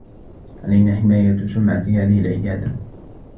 علينا حماية سمعة هذه العيادة.